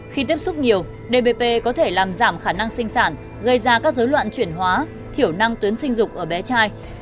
khi tiếp xúc nhiều dpp có thể làm giảm khả năng sinh sản gây ra các dối loạn chuyển hóa thiểu năng tuyến sinh dục ở bé trai